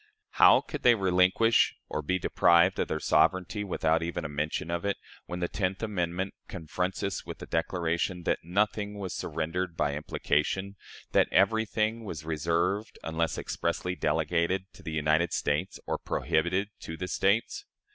How could they relinquish or be deprived of their sovereignty without even a mention of it when the tenth amendment confronts us with the declaration that nothing was surrendered by implication that everything was reserved unless expressly delegated to the United States or prohibited to the States?